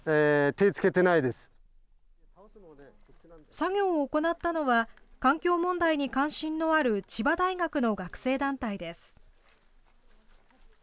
作業を行ったのは、環境問題に関心のある千葉大学の学生団体です。